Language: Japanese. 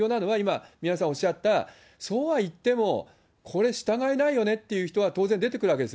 そのときに重要なのは、今、宮根さんおっしゃった、そうはいっても、これ、従えないよねっていう人は当然出てくるわけです。